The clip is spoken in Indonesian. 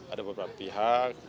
ada beberapa pihak